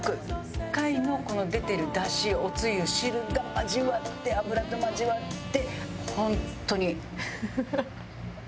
貝のこの出てる出汁おつゆ汁が交わって油と交わって。